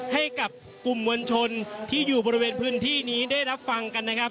ให้กับกลุ่มมวลชนที่อยู่บริเวณพื้นที่นี้ได้รับฟังกันนะครับ